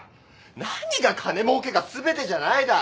何が「金もうけが全てじゃない」だ。